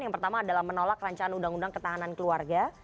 yang pertama adalah menolak rancangan undang undang ketahanan keluarga